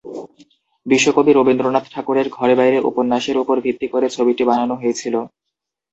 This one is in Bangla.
বিশ্বকবি রবীন্দ্রনাথ ঠাকুরের "ঘরে বাইরে" উপন্যাসের উপর ভিত্তি করে ছবিটি বানানো হয়েছিল।